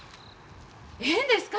ええんですか？